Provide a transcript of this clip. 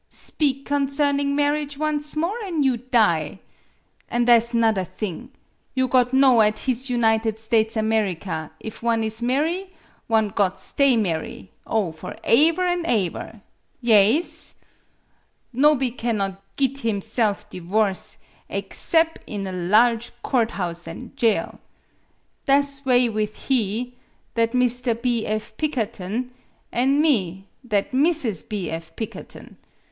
" Speak concerning marriage once more, an' you die. An' tha' 's 'nother thing. You got know at his United States America, if one is marry one got stay marry oh, for aever an' aever! Yaes! Nob'y cannot git him 22 MADAME BUTTERFLY self divorce, aexcep' in a large court house an' jail. Tha' 's way with he that Mr. B. F. Pikkerton an' me that Mrs. B. F. Pikker ton.